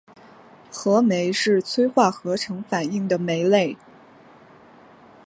合酶是催化合成反应的酶类。